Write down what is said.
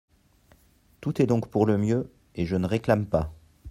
Tout est donc pour le mieux, et je ne réclame pas.